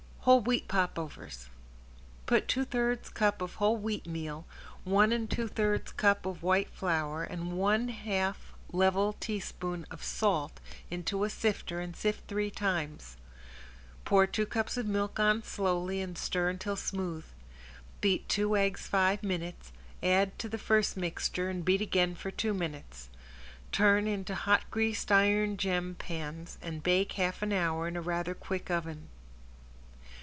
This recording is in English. ~WHOLE WHEAT POPOVERS~ Put two thirds cup of whole wheat meal, one and two thirds cup of white flour, and one half level teaspoon of salt into a sifter and sift three times. Pour two cups of milk on slowly and stir until smooth. Beat two eggs five minutes, add to the first mixture, and beat again for two minutes. Turn into hot greased iron gem pans and bake half an hour in a rather quick oven.